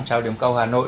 chào điểm câu hà nội